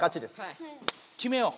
決めよう！